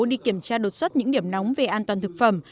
đi kiểm tra đột xuất những điểm nóng về an toàn thực phẩm